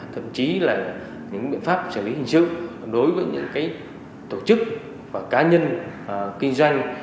thậm chí là những biện pháp xử lý hình sự đối với những tổ chức và cá nhân kinh doanh